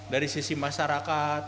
dari sisi masyarakat